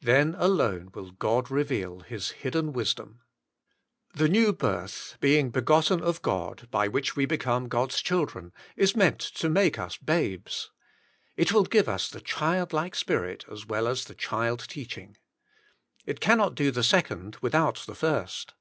Then alone will God reveal His hidden wisdom. The new birth, being begotten of God, by which we become God's children, is meant to make us babes. It will give us the child spirit as well as the child teaching. It cannot do the second with out the first.